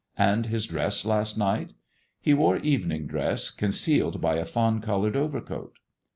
" And his dress last night 1 '' "He wore evening dress, concealed by a fawn coloured overcoat."